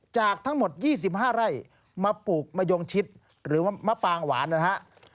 จากทั้งหมด๒๕ไร่มาปลูกมะยงชิดหรือว่ามะปางหวานนะฮะ